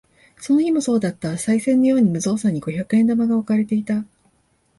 その日もそうだった。賽銭のように無造作に五百円玉が置かれていた。